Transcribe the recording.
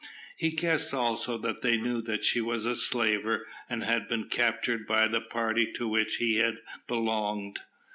He guessed also that they knew that she was a slaver, and had been captured by the party to which he had belonged.